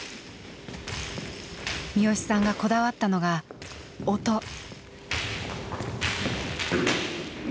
視良さんがこだわったのが「音」。